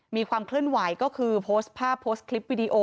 มีความเคลื่อนไหวก็คือโพสต์ภาพโพสต์คลิปวิดีโอ